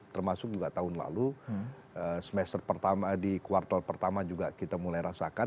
termasuk juga tahun lalu semester pertama di kuartal pertama juga kita mulai rasakan